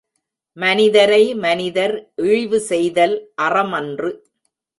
மனிதரை மனிதர் இழிவு செய்தல் அற மன்று.